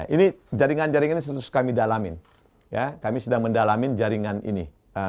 ini jaringan jaringan ini terus kami dalamin ya kami sedang mendalamin jaringan ini